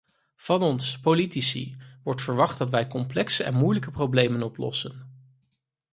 Van ons, politici, wordt verwacht dat wij complexe en moeilijke problemen oplossen.